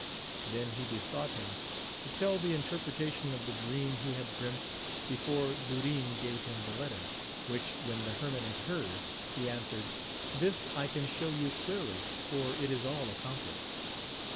Then he besought him to tell the interpretation of the dream he had dreamtr before Durin gave him the letter, which when the hermit had heard, he answered, This I can show you clearly, for it is all accomplished.